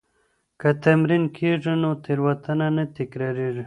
که تمرین کېږي نو تېروتنه نه تکرارېږي.